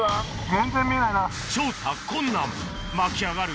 調査困難まき上がる